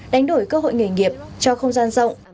đánh đổi cơ hội nghề nghiệp cho không gian rộng